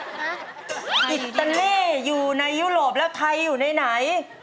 ฮะไทยอยู่ในไหนอิตาเลอยู่ในยุโรปแล้วไทยอยู่ในไหน